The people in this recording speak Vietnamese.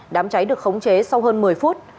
đám cháy được khống chế sau hơn một mươi phút